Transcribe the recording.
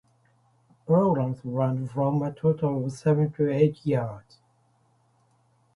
Programs range from a total of seven to eight years.